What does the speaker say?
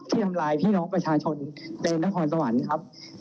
ทำลายพี่น้องประชาชนในนครสวรรค์ครับ